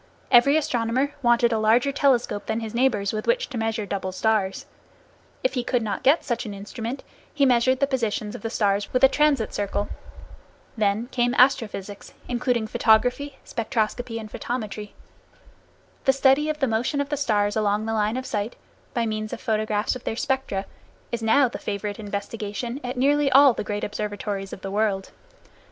Every astronomer wanted a larger telescope than his neighbors, with which to measure double stars. If he could not get such an instrument, he measured the positions of the stars with a transit circle. Then came astrophysics, including photography, spectroscopy and photometry. The study of the motion of the stars along the line of sight, by means of photographs of their spectra, is now the favorite investigation at nearly all the great observatories of the world.